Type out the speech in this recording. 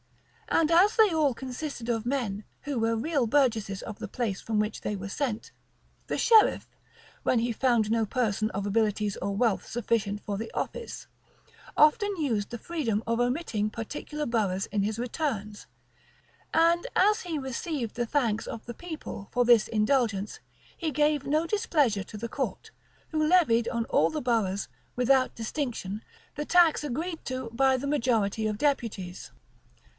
[] And as they all consisted of men who were real burgesses of the place from which they were sent, the sheriff, when he found no person of abilities or wealth sufficient for the office, often used the freedom of omitting particular boroughs in his returns; and as he received the thanks of the people for this indulgence, he gave no displeasure to the court, who levied on all the boroughs, without distinction, the tax agreed to by the majority of deputies.